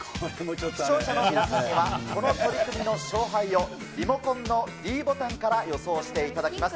視聴者の皆さんには、この取組の勝敗をリモコンのｄボタンから予想していただきます。